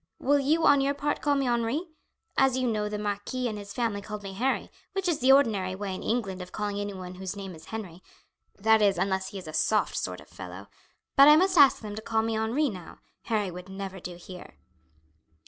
Will you, on your part, call me Henri? As you know the marquis and his family called me Harry, which is the ordinary way in England of calling anyone whose name is Henry, that is unless he is a soft sort of fellow; but I must ask them to call me Henri now, Harry would never do here."